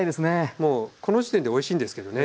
もうこの時点でおいしいんですけどね。